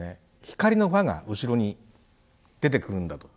光の輪が後ろに出てくるんだと。